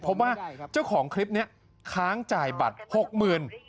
เพราะว่าเจ้าของคลิปนี้ค้างจ่ายบัตร๖๐๐๐บาท